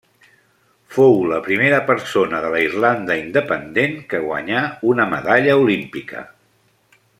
Fou la primera persona de la Irlanda independent que guanyà una medalla olímpica.